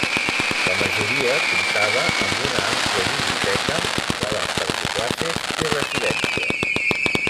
La majoria comptava amb una àmplia biblioteca, sales per fer classes i residència.